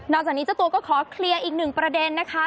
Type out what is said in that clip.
จากนี้เจ้าตัวก็ขอเคลียร์อีกหนึ่งประเด็นนะคะ